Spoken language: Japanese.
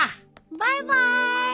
バイバイ！